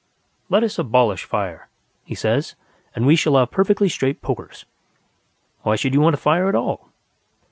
"Let us abolish fire," he says, "and then we shall have perfectly straight pokers. Why should you want a fire at all?"